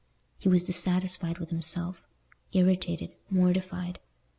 He was dissatisfied with himself, irritated, mortified.